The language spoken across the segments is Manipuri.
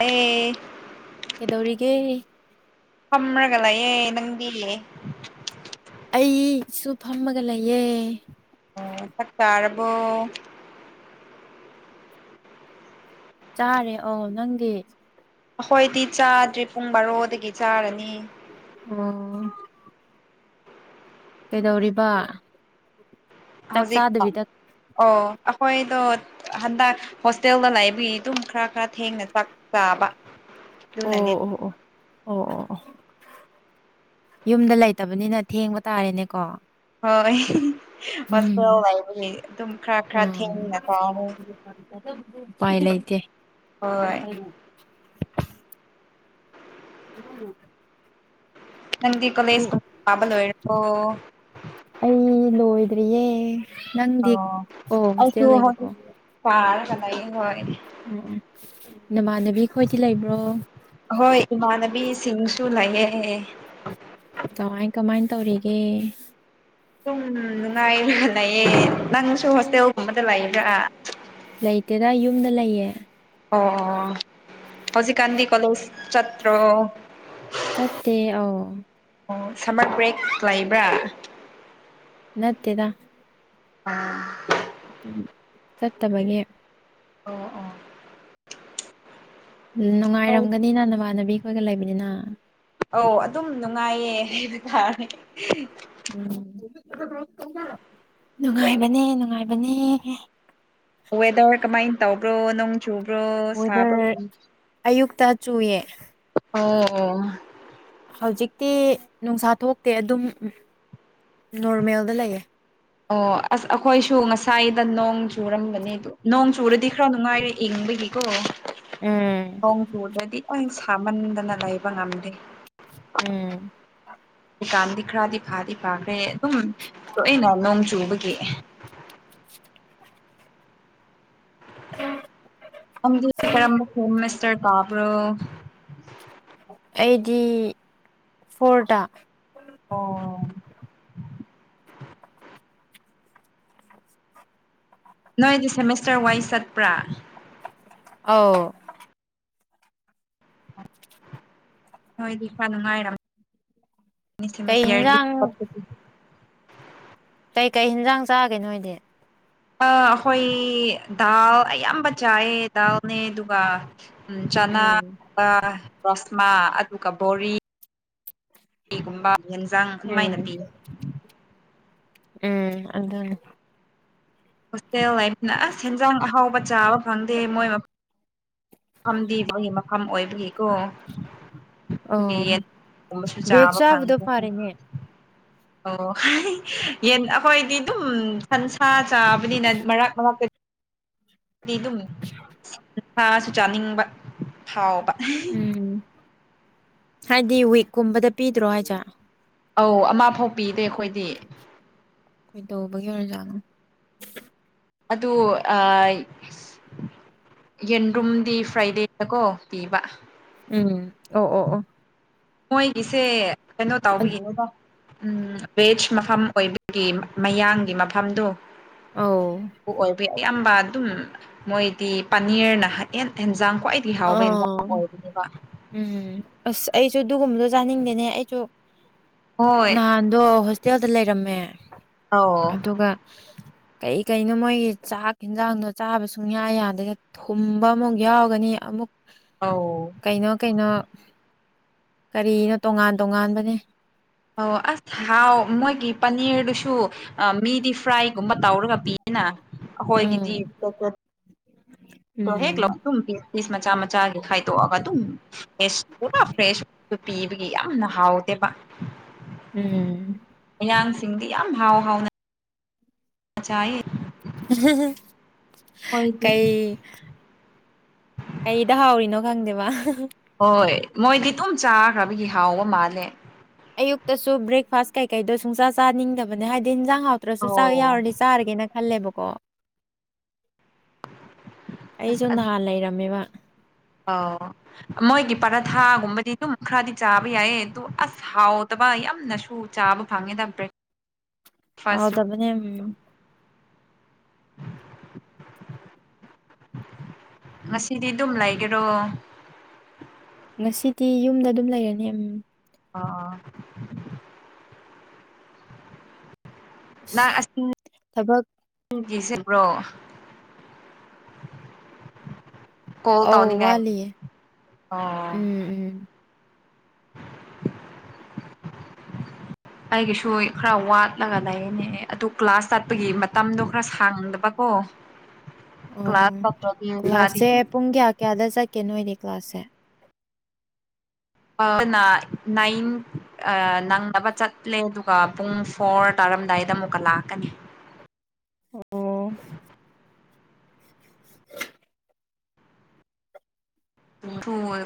ꯑꯦ ꯀꯩꯗꯧꯔꯤꯒꯦ? ꯐꯝꯔꯒ ꯂꯩꯌꯦ꯫ ꯅꯪꯗꯤ? ꯑꯩꯁꯨ ꯐꯝꯃꯒ ꯂꯩꯌꯦ꯫ ꯆꯥꯛ ꯆꯥꯔꯕꯣ? ꯆꯥꯔꯦ꯫ ꯑꯣ ꯅꯪꯗꯤ? ꯑꯍꯣꯏꯗꯤ ꯆꯥꯗ꯭ꯔꯤ ꯄꯨꯡ ꯕꯥꯔꯣꯗꯒꯤ ꯆꯥꯔꯅꯤ꯫ ꯍꯣ ꯀꯩꯗꯧꯔꯤꯕꯥ? ꯍꯧꯖꯤꯛ [unintelligible] ꯑꯣ ꯑꯈꯣꯏꯗꯣ ꯍꯟꯗꯛ ꯍꯣꯁꯇꯦꯜꯗ ꯂꯕꯒꯤ ꯑꯗꯨꯝ ꯈꯔ ꯈꯔ ꯊꯦꯡꯅ ꯆꯥꯛ ꯆꯥꯕ꯫ ꯑꯣ ꯗꯨꯅꯅꯦ ꯑꯣ ꯑꯣ ꯑꯣ ꯑꯣ ꯑꯣ ꯌꯨꯝꯗ ꯂꯩꯇꯕꯅꯤꯅ ꯊꯦꯡꯕ ꯇꯥꯔꯦꯅꯦꯀꯣ꯫ ꯍꯣꯏ ꯎꯝ ꯍꯣꯁꯇꯦꯜ ꯂꯩꯕꯒꯤ ꯑꯗꯨꯝ ꯈꯔ ꯈꯔ ꯊꯦꯡꯅ ꯆꯥꯔꯦ꯫ [unintelligible] ꯄꯥꯏ ꯂꯩꯇꯦ ꯍꯣꯏ [unintelligible] [unintelligible] ꯅꯪꯗꯤ ꯀꯣꯂꯦꯁ ꯄꯥꯕ ꯂꯣꯏꯔꯕꯣ? ꯑꯩ ꯂꯣꯏꯗ꯭ꯔꯤꯌꯦ꯫ ꯅꯪꯗꯤ? ꯑꯣ ꯑꯣ ꯍꯣꯁꯇꯦꯜ ꯂꯩꯕꯀꯣ꯫ ꯄꯥꯔꯒ ꯂꯩꯌꯦ ꯍꯣꯏ꯫ ꯎꯝ ꯎꯝ꯫ ꯅꯃꯥꯟꯅꯕꯤ ꯈꯣꯏꯗꯤ ꯂꯩꯕ꯭ꯔꯣ? ꯍꯣꯏ ꯏꯃꯥꯟꯅꯕꯤꯁꯤꯡꯁꯨ ꯂꯩꯌꯦ꯫ ꯀꯃꯥꯏ ꯀꯃꯥꯏꯟ ꯇꯧꯔꯤꯒꯦ? ꯁꯨꯝ ꯅꯨꯡꯉꯥꯏꯔꯒ ꯂꯩꯌꯦ꯫ ꯅꯪꯁꯨ ꯍꯣꯁꯇꯦꯜꯒꯨꯝꯕꯗ ꯂꯥꯛꯏꯕ꯭ꯔꯥ? ꯂꯩꯇꯦꯗ ꯌꯨꯝꯗ ꯂꯩꯌꯦ꯫ ꯑꯣ ꯑꯣ ꯑꯣ꯫ ꯍꯧꯖꯤꯛꯀꯥꯟꯗꯤ ꯀꯂꯦꯖ ꯆꯠꯇ꯭ꯔꯣ? ꯆꯠꯇꯦ ꯑꯧꯑꯣ ꯑꯣ ꯁꯝꯃꯔ ꯕ꯭ꯔꯦꯛ ꯂꯩꯕ꯭ꯔꯥ? ꯅꯠꯇꯦꯗ꯫ [unintelligible] [unintelligible] ꯆꯠꯇꯕꯒꯤ ꯑꯣ ꯑꯣ ꯑꯧ ꯅꯨꯡꯉꯥꯏꯔꯝꯒꯅꯤꯅ ꯅꯃꯥꯟꯅꯕꯤꯈꯣꯏꯒ ꯂꯩꯕꯅꯤꯅ ꯑꯧ ꯑꯗꯨꯝ ꯅꯨꯡꯉꯥꯏꯌꯦ ꯍꯥꯏꯕ ꯇꯥꯔꯦ ꯎꯝ ꯅꯨꯡꯉꯥꯏꯕꯅꯦ ꯅꯨꯡꯉꯥꯏꯕꯅꯦ ꯋꯦꯗꯔ ꯀꯃꯥꯏ ꯇꯧꯕ꯭ꯔꯣ ꯅꯣꯡ ꯆꯨꯕ꯭ꯔꯣ ꯁꯥꯕ꯭ꯔꯣ ꯋꯦꯗꯔ ꯎꯝ ꯑꯌꯨꯛꯇ ꯆꯨꯌꯦ ꯑꯣ ꯑꯣ ꯍꯧꯖꯤꯛꯇꯤ ꯅꯨꯡꯁꯥ ꯊꯣꯛꯇꯦ ꯑꯗꯨꯝ ꯅꯣꯔꯃꯦꯜꯗ ꯂꯩꯌꯦ ꯑꯣ ꯑꯁ ꯑꯩꯈꯣꯏꯁꯨ ꯉꯁꯥꯏꯗ ꯅꯣꯡ ꯆꯨꯔꯝꯕꯅꯤꯗꯣ ꯅꯣꯡ ꯆꯨꯔꯗꯤ ꯈꯔ ꯅꯨꯡꯉꯥꯏꯔꯦ ꯏꯪꯕꯒꯤꯀꯣ ꯎꯝ꯫ ꯅꫭꯡ ꯆꯨꯗ꯭ꯔꯥꯗꯤ ꯂꫭꯏ ꯁꯃꯥꯟꯗꯅ ꯂꯩꯕ ꯉꯝꯗꯦ꯫ ꯎꯝ꯫ ꯗꯨꯀꯥꯟꯗꯤ ꯈꯔꯥꯗꯤ ꯐꯥꯗꯤ ꯐꯥꯈ꯭ꯔꯦ ꯑꯗꯨꯝ ꯇꯣꯏꯅ ꯅꯣꯡ ꯆꯨꯕꯒꯤ ꯎꯝ꯫ ꯀꯥꯝꯗꯨ ꯀꯔꯝꯕ ꯍꯣꯝꯃꯤꯁꯇꯔ ꯇꯥꯕ꯭ꯔꯣ ꯑꯩꯗꯤ ꯐꯣꯔꯗ ꯑꯣ ꯅꯣꯏꯗꯤ ꯁꯦꯃꯤꯁꯇꯔ ꯋꯥꯏꯁ ꯆꯠꯄ꯭ꯔꯥ ꯑꯥꯎ ꯅꯣꯏꯗꯤ ꯈꯔ ꯅꯨꯡꯉꯥꯏꯔꯝ ꯁꯦꯃꯤꯁ ꯀꯩ ꯁꯦꯃꯤꯁ ꯏꯌꯔꯒꯤ ꯍꯤꯟꯖꯥꯡ [unintelligible] ꯀꯩꯀꯩ ꯍꯤꯟꯖꯥꯡ ꯆꯥꯒꯦ ꯅꯣꯏꯗꯤ ꯑ ꯑꯩꯈꯣꯏ ꯗꯥꯜ ꯑꯌꯥꯝꯕ ꯆꯥꯏꯌꯦ ꯗꯥꯜꯅꯦ ꯑꯗꯨꯒ ꯎꯝ ꯆꯅꯥ ꯎꯝ ꯕ ꯔꯥꯁꯃꯥ ꯑꯗꯨꯒ ꯕꯣꯔꯤꯒꯨꯝꯕ ꯌꯦꯟꯖꯥꯡ ꯑꯗꯨꯃꯥꯏꯅ ꯎꯝ ꯄꯤ ꯎꯝ ꯑꯗꯨꯅꯤ ꯍꯣꯁꯇꯦꯜ ꯂꯩꯕꯅ ꯑꯁ ꯍꯦꯟꯖꯥꯡ ꯑꯍꯥꯎꯕ ꯆꯥꯕ ꯐꯪꯗꯦ ꯃꯣꯏ ꯃ ꯐꯝꯗꯤ ꯃꯥꯒꯤ ꯃꯐꯝ ꯑꯣꯏꯕꯒꯤꯀꯣ ꯗꯨꯒꯤ ꯑꯣ ꯌꯦꯟ ꯊꫭꯡꯕꯁꯨ ꯚꯦꯖ ꯆꯥꯕ ꯆꯥꯕꯗꯣ ꯐꯪꯗꯦ ꯐꯔꯦꯅꯦ ꯑꯣ ꯌꯦꯟ ꯑꯩꯈꯣꯏꯗꯤ ꯑꯗꯨꯝ ꯁꯟꯁꯥ ꯆꯥꯕꯅꯤꯅ ꯃꯔꯛ ꯃꯔꯛꯇ ꯇꯤꯗꯨꯝ ꯁꯥꯁꯨ ꯆꯥꯅꯤꯡꯕ ꯍꯥꯎꯕ ꯎꯝ꯫ ꯍꯥꯏꯗꯤ ꯋꯤꯛꯀꯨꯝꯕꯗ ꯄꯤꯗ꯭ꯔꯣ ꯍꯥꯏꯖꯦ ꯑꯧ ꯑꯃꯥ ꯐꯥꯎ ꯄꯤꯗꯦ ꯑꯩꯈꯣꯏꯗꯤ ꯀꯩꯗꯧꯕꯒꯤ ꯑꯣꯏꯔꯖꯥꯅꯣ ꯑꯗꯨ ꯑꯥꯏ ꯌꯦꯟꯗ꯭ꯔꯨꯝꯗꯤ ꯐ꯭ꯔꯥꯏꯗꯦꯗ ꯀꯣ ꯄꯤꯕ ꯎꯝ ꯑꯣ ꯑꯣ ꯑꯣ ꯃꯣꯏꯒꯤꯁꯦ ꯀꯩꯅꯣ ꯑꯗꯨ ꯇꯧꯕꯒꯤꯅꯦꯀꫭ ꯎꯝ ꯄꯦꯠꯁ ꯃꯐꯝ ꯑꯣꯏꯕꯒꯤ ꯃꯌꯥꯡꯒꯤ ꯃꯐꯝꯗꯨ ꯑꯧ ꯄꯨ ꯑꯣꯏꯕꯩ ꯑꯌꯥꯝꯕ ꯑꯗꯨꯝ ꯃꯣꯏꯗꯤ ꯄꯥꯅꯤꯔꯅ ꯍꯥ ꯍꯦꯟ ꯍꯦꯟꯖꯥꯡ ꯈ꯭ꯋꯥꯏ ꯑꯣꯎ ꯎꯝ ꯑꯁ ꯑꯩꯖꯨ ꯑꯗꯨꯒꯨꯝꯕꯗꯣ ꯆꯥꯅꯤꯡꯗꯦꯅꯦ ꯑꯩꯖꯨ ꯍꯣꯏ ꯅꯍꯥꯟ ꯗꯣ ꯍꯣꯁꯇꯦꯜꯗ ꯂꯩꯔꯝꯃꯦ ꯑꯧ ꯑꯗꯨꯒ ꯀꯩ ꯀꯩꯅꯣ ꯃꯣꯏꯒꯤ ꯆꯥꯛ ꯍꯤꯟꯖꯥꯡꯗꯣ ꯆꯥꯕ ꯁꯨꯡꯌꯥ ꯌꯥꯗꯦ ꯊꯨꯝꯕ ꯑꯃꯨꯛ ꯌꯥꯎꯒꯅꯤ ꯑꯃꯨꯛ ꯑꯧ ꯀꯩꯅꯣ ꯀꯩꯅꯣ ꯀꯔꯤꯅꯣ ꯇꯣꯉꯥꯟ ꯇꯣꯉꯥꯟꯕꯅꯦ ꯑꯧ ꯑꯁ ꯍꯥꯎ ꯃꯣꯏꯒꯤ ꯄꯅꯤꯔꯗꯨꯁꯨ ꯑꯥ ꯃꯤꯗꯤ ꯐ꯭ꯔꯥꯏꯒꯨꯝꯕ ꯇꯧꯔꯒ ꯄꯤ ꯑꯦꯅ ꯑꯩꯈꯣꯏꯒꯤꯗꯤ [unintelligible] ꯎꯝ [inaudible] ꯄꯔꯣ ꯍꯦꯛ ꯂꯧꯗꯨꯝ ꯄꯤ ꯄꯤꯁ ꯃꯆꯥ ꯃꯆꯥꯒꯤ ꯈꯥꯏꯗꯣꯛꯑꯒ ꯑꯗꯨꯝ ꯐꯦꯁ ꯄꯨꯔꯥ ꯐ꯭ꯔꯦꯁꯇ ꯄꯤꯕꯒꯤ ꯌꯥꯝꯅ ꯍꯥꯎꯇꯦꯕ ꯎꯝ ꯃꯌꯥꯡꯁꯤꯡꯗꯤ ꯌꯥꯝ ꯍꯥꯎ ꯍꯥꯎꯅ ꯆꯥꯏꯌꯦ [unintelligible] ꯑꯍꯣꯏꯗꯤ ꯏ ꯀꯩꯗ ꯍꯥꯎꯔꯤꯅꯣ ꯈꯪꯗꯦꯕ ꯍꯣꯏ ꯃꯣꯏꯗꯤ ꯗꯨꯝ ꯆꯥꯈ꯭ꯔꯕꯒꯤ ꯍꯥꯎꯕ ꯃꯥꯜꯂꯦ ꯑꯌꯨꯛꯇꯁꯨ ꯕ꯭ꯔꯦꯛꯐꯥꯁ ꯀꯩꯀꯩꯗꯣ ꯁꯨꯡꯆꯥ ꯆꯥꯅꯤꯡꯗꯕꯅꯦ ꯍꯥꯏꯗꯤ ꯍꯤꯟꯖꯥꯡ ꯍꯥꯎꯇ꯭ꯔꯁꯨ ꯑꯧ ꯆꯥꯛ ꯌꯥꯎꯔꯗꯤ ꯆꯥꯔꯒꯦꯅ ꯈꯜꯂꯦꯕꯀꯣ ꯑꯩꯖꯨ ꯅꯍꯥꯟ ꯂꯩꯔꯝꯃꯦꯕ ꯑꯣ ꯃꯣꯏꯒꯤ ꯄꯔꯥꯊꯥꯒꯨꯝꯕꯗꯤ ꯑꯗꯨꯝ ꯈꯔꯗꯤ ꯆꯥꯕ ꯌꯥꯏꯌꯦ ꯑꯗꯨ ꯑꯁ ꯍꯥꯎꯇꯕ ꯌꯥꯝꯅꯁꯨ ꯆꯥꯕ ꯐꯪꯉꯦꯗ ꯕ꯭ꯔꯦꯛ ꯍꯥꯎꯇꯕꯅꯦ ꯎꯝ ꯉꯁꯤꯗꯤ ꯑꯗꯨꯝ ꯂꯩꯒꯦꯔꯣ ꯉꯁꯤꯗꯤ ꯌꯨꯝꯗ ꯑꯗꯨꯝ ꯂꯩꯔꯅꯤ ꯎꯝ ꯑꯥ ꯑꯥ ꯅꯪ ꯑꯁ ꯑꯁꯤ [unintelligible] ꯊꯕꯛ [unintelligible] ꯀꯣꯜ ꯑꯧ ꯇꯧꯅꯤꯡꯉꯥꯏ ꯋꯥꯠꯂꯤꯌꯦ ꯑꯣ ꯎꯝ ꯎꯝ [inaudible] ꯑꯩꯒꯤꯁꯨꯏ ꯈꯔ ꯋꯥꯠꯂꯒ ꯂꯩꯌꯦꯅꯦ ꯑꯗꯨ ꯀ꯭ꯂꯥꯁ ꯆꯠꯄꯒꯤ ꯃꯇꯝꯗꯣ ꯈꯔ ꯁꯥꯡꯗꯕꯀꯣ ꯑꯣ ꯀ꯭ꯂꯥꯁ ꯆꯠꯇ꯭ꯔꯗꯤ ꯈꯔꯗꯤ ꯀ꯭ꯂꯥꯁꯁꯦ ꯄꯨꯡ ꯀꯌꯥ ꯀꯌꯥꯗ ꯆꯠꯀꯦ ꯅꯣꯏꯗꯤ ꯀ꯭ꯂꯥꯁꯁꯦ ꯑꯃꯅ ꯅꯥꯏꯟ ꯑꯥ ꯅꯪꯅꯕ ꯆꯠꯂꯦ ꯑꯗꯨꯒ ꯄꯨꯡ ꯐꯣꯔ ꯇꯥꯔꯝꯗꯥꯏꯗ ꯑꯃꯨꯛꯀ ꯂꯥꯛꯀꯅꯤ ꯑꯣ [unintelligible]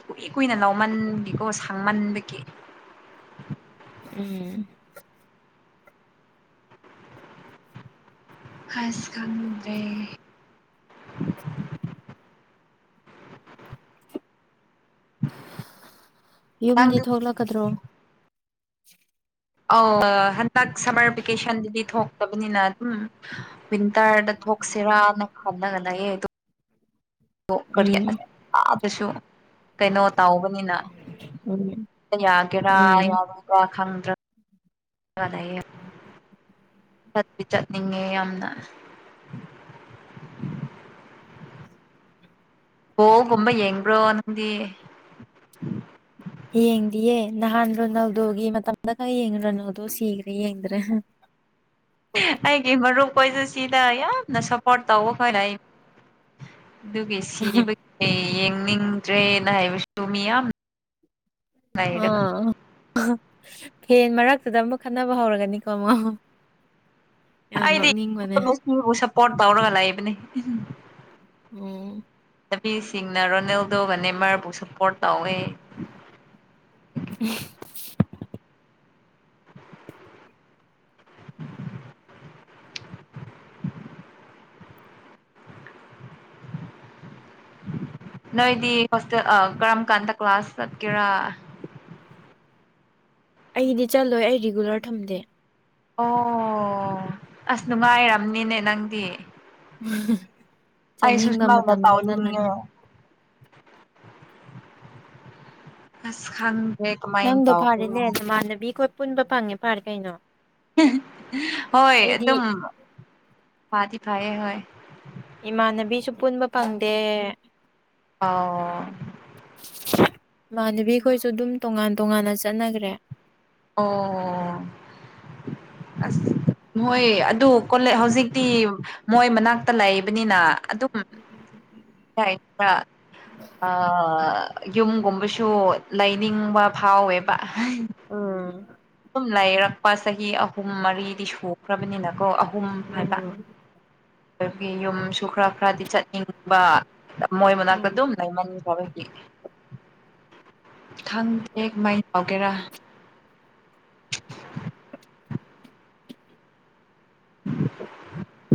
ꯀꯨꯏ ꯀꯨꯏꯅ ꯂꯥꯎꯃꯟꯕꯀꯣ ꯁꯥꯡꯃꯟꯕꯒꯤ ꯎꯝ ꯍꯩꯁ ꯈꯪꯗ꯭ꯔꯦ ꯌꯨꯝꯗꯤ ꯅꯪꯗꯤ ꯊꯣꯛꯂꯛꯀꯗ꯭ꯔꯣ ꯑꯧ ꯍꯟꯗꯛ ꯁꯝꯃꯔ ꯚꯦꯀꯦꯁꯟꯗꯗꯤ ꯊꯣꯛꯇꯕꯅꯤꯅ ꯎꯝ ꯋꯤꯟꯇꯔꯗ ꯊꯣꯛꯁꯤꯔꯅ ꯈꯜꯂꯒ ꯂꯩꯌꯦ ꯑꯗꯨꯝ [unintelligible] ꯀꯔꯤ ꯎꯝ ꯑꯥꯗꯁꯨ ꯀꯩꯅꯣ ꯇꯧꯕꯅꯤꯅ ꯎꯝ ꯌꯥꯒꯦꯔꯥ ꯎꯝ ꯌꯥꯔꯣꯏꯔꯥ ꯈꯪꯗ꯭ꯔꯦ ꯇꯧꯔ ꯂꯩꯌꯦ ꯆꯠꯄꯤ ꯆꯠꯅꯤꯡꯉꯦ ꯌꯥꯝꯅ ꯕꯣꯒꯨꯝꯕ ꯌꯦꯡꯕ꯭ꯔꯣ ꯅꯪꯗꯤ ꯌꯦꯡꯗꯤꯌꯦ ꯅꯍꯥꯟ ꯔꯣꯅꯥꯜꯗꯣꯒꯤ ꯃꯇꯝꯗ ꯈꯛ ꯌꯦꯡꯉꯦ ꯔꯣꯅꯥꯜꯗꯣ ꯁꯤꯈ꯭ꯔꯦ ꯌꯦꯡꯗ꯭ꯔꯦ ꯑꯩꯒꯤ ꯃꯔꯨꯞꯈꯣꯏꯁꯨ ꯁꯤꯗ ꯌꯥꯝꯅ ꯁꯞꯄꯣꯔꯠ ꯇꯧꯕ ꯈꯔ ꯂꯩ꯫ ꯗꯨꯒꯤ ꯁꯤꯕ [unintelligible] ꯌꯦꯡꯅꯤꯡꯗ꯭ꯔꯦꯅ ꯍꯥꯏꯕꯁꯨ ꯃꯤ ꯌꯥꯝ ꯂꯩꯔꯒ ꯑ [unintelligible] ꯐꯦꯟ ꯃꯔꯛꯇꯨꯗ ꯑꯃꯨꯛ ꯈꯠꯅꯕ ꯍꯧꯔꯛꯒꯅꯤꯀꯣ ꯑꯃꯨꯛ ꯌꯥꯝ ꯅꯣꯛꯅꯤꯡꯕꯅꯦ꯫ ꯃꯤꯕꯨ ꯁꯞꯄꯣꯔꯠ ꯇꯧꯔꯒ ꯂꯩꯥꯕꯅꯤ꯫ [unintelligible] ꯅꯨꯄꯤꯁꯤꯡꯅ ꯔꯣꯅꯦꯜꯗꯣꯒ ꯅꯦꯃꯥꯔꯕꯨ ꯁꯞꯄꯣꯔꯠ ꯇꯧꯋꯦ꯫ [unintelligible] ꯅꯣꯏꯗꯤ ꯍꯣꯁꯇꯦꯜ ꯑ ꯀꯔꯝ ꯀꯥꯟꯗ ꯀ꯭ꯂꯥꯁ ꯆꯠꯀꯦꯔꯥ? ꯑꯩꯗꯤ ꯆꯠꯂꯣꯏ ꯑꯩ ꯔꯤꯒꯨꯂꯔ ꯊꯝꯗꯦ꯫ ꯑꯣ ꯑꯁ ꯅꯨꯡꯉꯥꯏꯔꯝꯅꯤꯅꯦ ꯅꯪꯗꯤ꯫ [unintelligible] ꯑꯩꯁꯨ ꯆꯠꯅꯤꯡꯕ ꯁꯨꯃꯥꯏꯅ ꯃꯇꯝꯗ ꯆꯠꯂꯅꯤ꯫ ꯇꯧꯅꯤꯡꯉꯦ ꯑꯁ ꯈꯪ ꯅꯪꯗꯣ ꯐꯔꯦꯅꯦ ꯅꯃꯥꯟꯅꯕꯤꯈꯣꯏ ꯄꯨꯟꯕ ꯐꯪꯉꯦ ꯐꯔꯦ ꯀꯩꯅꯣ꯫ [unintelligible] ꯍꯣꯏ ꯑꯩꯗꯤ ꯑꯗꯨꯝ ꯐꯥꯗꯤ ꯐꯥꯏꯌꯦ ꯍꯣꯏ꯫ ꯏꯃꯥꯟꯅꯕꯤꯁꯨ ꯄꯨꯟꯕ ꯐꯪꯗꯦ꯫ ꯑꯧ ꯏꯃꯥꯟꯅꯕꯤꯈꯣꯏꯁꯨ ꯗꯨꯝ ꯇꯣꯉꯥꯟ ꯇꯣꯉꯥꯟꯅ ꯆꯠꯅꯒ꯭ꯔꯦ꯫ ꯑꯣ ꯑꯁ ꯃꯣꯏ ꯑꯗꯨ ꯀꯣꯂꯦ ꯍꯧꯖꯤꯛꯇꯤ ꯃꯣꯏ ꯃꯅꯥꯛꯇ ꯂꯩꯕꯅꯤꯅ ꯑꯗꯨ [unintelligible] ꯑꯥ ꯌꯨꯝꯒꯨꯝꯕꯁꯨ ꯂꯩꯅꯤꯡꯕ ꯐꯥꯎꯋꯦꯕ꯫ ꯎꯝ ꯑꯗꯨꯝ ꯂꯩꯔꯛꯄ ꯆꯍꯤ ꯑꯍꯨꯝ ꯃꯔꯤꯗꯤ ꯁꯨꯈ꯭ꯔꯕꯅꯤꯅꯀꯣ ꯑꯍꯨꯝ ꯍꯥꯏꯕ꯫ ꯗꯒꯤ ꯌꯨꯝꯁꯨ ꯈꯔ ꯈꯔꯗꯤ ꯆꯠꯅꯤꯡꯕ꯫ ꯃꯣꯏ ꯃꯅꯥꯛꯇ ꯑꯗꯨꯝ ꯂꯩꯃꯈ꯭ꯔꯕꯒꯤ꯫ ꯈꯪꯗꯦ ꯀꯃꯥꯏ ꯇꯧꯒꯦꯔꯥ?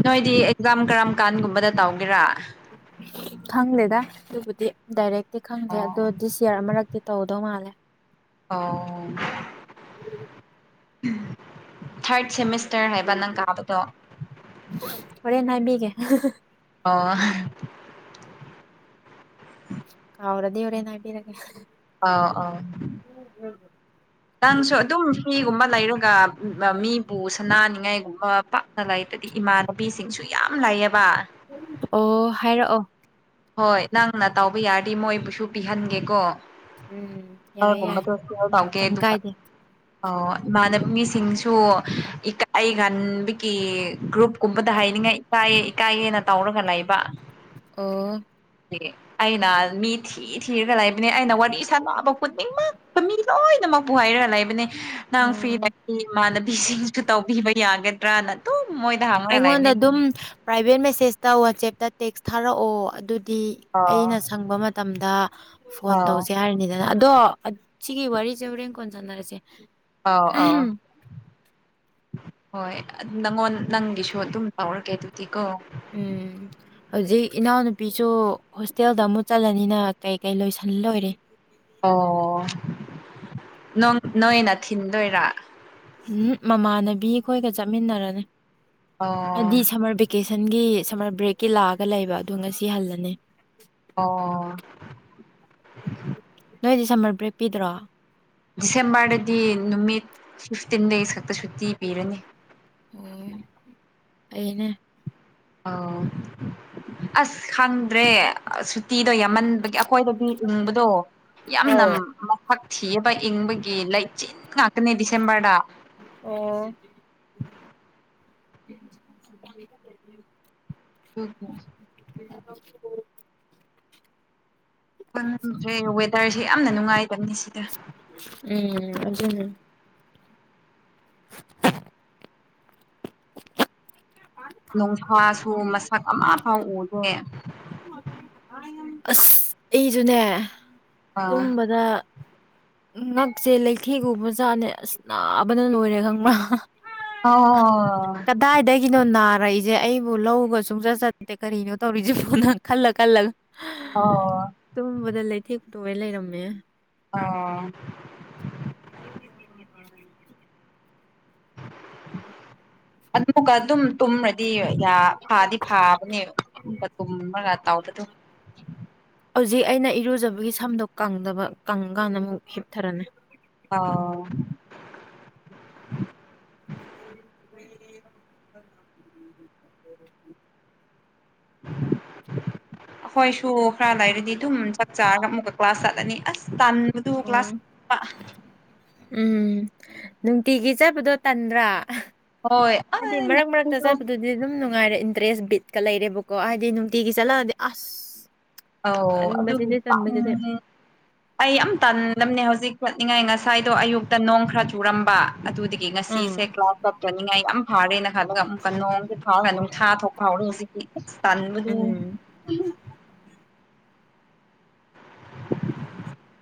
ꯅꯣꯏꯗꯤ ꯑꯦꯛꯖꯥꯝ ꯀꯔꯝ ꯀꯥꯟꯒꯨꯝꯕꯗ ꯇꯧꯒꯦꯔꯥ? ꯈꯪꯗꯦꯗ ꯗꯨꯕꯨꯗꯤ ꯗꯥꯏꯔꯦꯛꯇꯤ ꯈꯪꯗꯦ ꯑꯗꯣ ꯑꯣ ꯗꯤꯁ ꯏꯌꯔ ꯃꯔꯛꯇ ꯇꯧꯗꯧ ꯃꯥꯜꯂꯦ꯫ ꯑꯣ ꯊ꯭ꯔꯗ ꯁꯦꯃꯤꯁꯇꯔ ꯍꯥꯏꯕ ꯅꯪ ꯀꯥꯕꯗꯣ? ꯍꯣꯔꯦꯟ ꯍꯥꯏꯕꯤꯒꯦ [unintelligible] ꯑꯣ [unintelligible] ꯀꯥꯎ꯭ꯔꯗꯤ ꯍꯣꯔꯦꯟ ꯍꯥꯏꯕꯤꯔꯒꯦ [unintelligible] ꯑ [unintelligible] ꯅꯪꯁꯨ ꯑꯗꯨꯝ ꯐꯤꯒꯨꯝꯕ ꯂꯩꯔꯒ ꯃꯤꯕꯨ ꯁꯅꯥꯅꯤꯡꯉꯥꯏꯒꯨꯝꯕ ꯄꯥꯛꯅ ꯂꯩꯇꯔꯤ꯫ ꯏꯃꯥꯟꯅꯕꯤꯁꯤꯡꯁꯨ ꯌꯥꯝ ꯂꯩꯑꯕ꯫ ꯑꯣ ꯍꯥꯏꯔꯛꯑꯣ꯫ ꯍꯣꯏ ꯅꯪꯅ ꯇꯧꯕ ꯌꯥꯔꯗꯤ ꯃꯣꯏꯕꯨꯁꯨ ꯄꯤꯍꯟꯒꯦꯀꯣ꯫ ꯎꯝ [unintelligible] ꯌꯥꯏꯌꯦ ꯌꯥꯏ ꯇꯧꯒꯦ ꯀꯩꯝ ꯗꯨꯒ ꯀꯥꯏꯗꯦ ꯑꯧ ꯏꯃꯥꯟꯅꯕꯤꯁꯤꯡꯁꯨ ꯏꯀꯥꯏꯔꯟꯕꯒꯤ ꯒ꯭ꯔꯨꯞꯀꯨꯝꯕꯗ ꯍꯥꯏꯅꯤꯡꯉꯥꯏ ꯏꯥꯏꯌꯦ ꯏꯀꯥꯏꯌꯦꯅ ꯇꯧꯔꯒ ꯂꯩꯕ꯫ ꯑꯣ ꯑꯩꯅ ꯃꯤꯊꯤ ꯊꯤ ꯊꯤꯔꯒ ꯂꯩꯕꯅꯦ ꯑꯩꯅ ꯋꯥꯔꯤ ꯁꯥꯟꯕ ꯈꯨꯗꯤꯡꯃꯛꯇ ꯃꯤ ꯂꯣꯏꯅꯃꯛꯄꯨ ꯍꯥꯏꯔꯒ ꯂꯩꯕꯅꯦ꯫ ꯅꯪ ꯐ꯭ꯔꯤ ꯎꯝ ꯂꯩꯗꯤ ꯏꯃꯥꯟꯅꯕꯤꯁꯤꯡꯁꯨ ꯇꯧꯕꯤꯕ ꯌꯥꯒꯗ꯭ꯔꯥꯅ ꯑꯩꯉꯣꯟꯗ ꯗꯨꯝ ꯄ꯭ꯔꯥꯏꯚꯦꯠ ꯃꯦꯁꯦꯁꯇ ꯋꯥꯆꯦꯞꯇ ꯇꯦꯛꯁ ꯊꯥꯔꯛꯑꯣ ꯑꯗꯨꯗꯤ ꯑꯥ ꯑꯩꯅ ꯁꯪꯕ ꯃꯇꯝꯗ ꯐꯣꯟ ꯑꯥꯎ ꯇꯧꯁꯦ ꯍꯥꯏꯔꯤꯅꯤꯗ ꯑꯗꯣ ꯁꯤꯒꯤ ꯋꯥꯔꯤꯁꯦ ꯍꯣꯔꯦꯟ ꯀꯣꯟ ꯁꯥꯟꯅꯔꯁꯦ꯫ ꯑꯥꯎ ꯑꯥꯎ ꯍꯣꯏ ꯅꯪꯉꯣꯟ ꯅꯪꯒꯤꯁꯨ ꯑꯗꯨꯝ ꯇꯧꯔꯒꯦ ꯑꯗꯨꯗꯤ ꯀꯣ ꯎꯝ ꯍꯧꯖꯤꯛ ꯏꯅꯥꯎꯅꯨꯄꯤꯁꯨ ꯍꯣꯁꯇꯦꯜꯗ ꯑꯃꯨꯛ ꯆꯠꯂꯅꯤꯅ ꯀꯩ ꯀꯩ ꯂꯣꯏꯁꯜ ꯂꯣꯏꯔꯦ꯫ ꯑꯣ ꯅꯪ ꯅꯣꯏꯅ ꯊꯤꯟꯗꯣꯏꯔꯥ ꯎꯝ ꯃꯃꯥꯟꯅꯕꯤ ꯈꯣꯏꯒ ꯆꯠꯃꯤꯟꯅꯔꯅꯤ ꯑꯣ ꯍꯥꯏꯗꯤ ꯁꯃꯔ ꯚꯦ ꯀꯦꯁꯟꯒꯤ ꯁꯝꯃꯔ ꯕ꯭ꯔꯦꯛꯀꯤ ꯂꯥꯛꯑꯒ ꯂꯩꯕ ꯑꯗꯣ ꯉꯁꯤ ꯍꯜꯂꯅꯤ꯫ ꯑꯣ ꯅꯣꯏꯗꯤ ꯁꯝꯃꯔ ꯕ꯭ꯔꯦꯛ ꯄꯤꯗ꯭ꯔꯣ? ꯗꯤꯁꯦꯝꯕꯔꯗꯗꯤ ꯅꯨꯃꯤꯠ ꯐꯤꯐꯇꯤꯟ ꯗꯦꯁ ꯈꯛꯇ ꯁꯨꯇꯤ ꯄꯤꯔꯅꯤ꯫ ꯑꯣ ꯐꯩꯅꯦ ꯑꯧ ꯑꯁ ꯈꯪꯗ꯭ꯔꯦ ꯑꯁ ꯁꯨ ꯇꯤꯗꯣ ꯌꯥꯝꯃꯟꯕꯒꯤ ꯑꯈꯣꯏꯗꯗꯤ ꯏꯪꯕꯗꯣ ꯌꯥꯝꯅ ꯑꯧ ꯃ ꯁꯛ ꯊꯤꯌꯦꯕ ꯏꯪꯕꯒꯤ ꯂꯩꯆꯤꯟ ꯉꯥꯛꯇꯅꯦ ꯗꯤꯁꯦꯝꯕꯔꯗ꯫ ꯑꯣ [unintelligible] ꯈꯪꯗ꯭ꯔꯦ ꯋꯦꯗꯔꯁꯦ ꯌꯥꯝꯅ ꯅꯨꯡꯉꯥꯏꯗꯕꯅꯤ ꯁꯤꯗ꯫ ꯎꯝ ꯑꯗꯨꯅꯦ ꯅꯣꯡꯁꯥꯁꯨ ꯃꯁꯛ ꯑꯃ ꯐꯥꯎ ꯎꯗꯦ꯫ ꯑꯁ ꯑꯩꯖꯨꯅꯦ ꯑꯥ ꯇꯨꯝꯕꯗ ꯉꯛꯁꯦ ꯂꯩꯊꯦꯛ ꯎꯕꯖꯥꯅꯦ ꯑꯁ ꯅꯥꯕꯅ ꯂꯣꯏꯔꯦ ꯈꯪꯕ꯭ꯔ ꯑꯥꯎ ꯑꯣ ꯑꯣ ꯗꯥꯏꯗꯒꯤꯅꯣ ꯅꯥꯔꯛꯏꯁꯦ ꯑꯩꯕꯨ ꯂꯧꯒ ꯁꯨꯡꯆꯠ ꯆꯠꯇꯠꯇꯦ ꯀꯔꯤꯅꯣ ꯇꯧꯔꯤꯁꯤꯕꯨ ꯅꯪ ꯈꯜꯂ ꯈꯜꯂꯒ ꯍ ꯑꯣ ꯇꯨꯝꯕꯗ ꯂꯩꯊꯦꯛ ꯇꯣꯏ ꯂꯩꯔꯝꯃꯦ ꯑꯣ [unintelligible] [inaudible] ꯑꯗꯨꯛꯒ ꯑꯗꯨꯝ ꯇꯨꯝꯃ꯭ꯔꯗꯤ ꯌꯥ ꯐꯥꯗꯤ ꯐꯥꯕꯅꯦ꯫ ꯕ ꯇꯨꯝꯃꯒ ꯇꯥꯎꯕ ꯗꯨ ꯍꯧꯖꯤꯛ ꯑꯩꯅ ꯏꯔꯨꯖꯕꯒꯤ ꯁꯝꯗꯣ ꯀꯪꯗꯕ ꯀꯪꯀꯥꯟꯗ ꯑꯃꯨꯛ ꯍꯤꯞꯊꯔꯅꯤ꯫ ꯑꯥꯎ [unintelligible] [inaudible] ꯑꯈꯣꯏꯁꯨ ꯈꯔ ꯂꯩꯔꯗꯤ ꯑꯗꯨꯝ ꯆꯥꯛ ꯆꯥꯔꯒ ꯑꯃꯨꯛꯀ ꯀ꯭ꯂꯥꯁ ꯆꯠꯂꯅꯤ ꯑꯁ ꯇꯟ ꯎꯝ ꯎꯝ ꯅꯨꯡꯇꯤꯒꯤ ꯆꯠꯄꯗꯣ ꯇꯟꯗ꯭ꯔꯥ ꯍꯣꯏ ꯍꯥꯏꯗꯤ ꯃꯔꯛ ꯃꯔꯛꯇꯥ ꯑꯧ ꯆꯠꯄꯗꯨ ꯗꯤꯗꯨꯝ ꯅꯨꯡꯉꯥꯏꯔꯦ ꯏꯟꯇꯔꯦꯁ ꯕꯤꯠꯀꯥ ꯂꯩꯔꯦꯕꯀꯣ ꯍꯥꯏꯗꯤ ꯅꯨꯡꯇꯤꯒꯤ ꯆꯠꯂꯥꯗꯤ ꯑꯁ ꯑꯧꯎ ꯑꯗꯨꯕꯨ ꯇꯟꯕꯁꯤꯗꯤ ꯇꯟꯕꯁꯤꯗꯤ ꯄꯥꯡꯉꯦ ꯑꯩ ꯌꯝ ꯇꯟꯗꯝꯅꯦ ꯍꯧꯖꯤꯛ ꯆꯠꯅꯤꯡꯉꯥꯏ ꯉꯁꯥꯏꯗꯣ ꯑꯌꯨꯛꯇꯥ ꯅꯣꯡ ꯈꯔ ꯆꯨꯔꯝꯕ ꯑꯗꯨꯗꯤ ꯀꯤ ꯑꯥ ꯉꯁꯤꯁꯦ ꯀ꯭ꯂꯥꯎꯗ ꯀꯞꯇꯥꯅꯤꯡꯉꯥꯏ ꯌꯥꯝ ꯐꯥꯔꯦꯅ ꯈꯜꯂꯒꯥ ꯑꯃꯨꯛꯀꯥ ꯅꯣꯡꯁꯦ ꯐꯥꯎꯔꯒꯥ ꯅꯨꯡꯁꯥ ꯊꯣꯛ ꯐꯥꯎꯔꯦ ꯍꯨꯖꯤ [inaudible] ꯇꯟꯕꯗꯨ ꯎꯝ [inaudible]